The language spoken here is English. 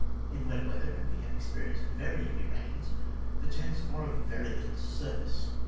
In wet weather (and we have experienced very heavy rains) the tents are of very little service.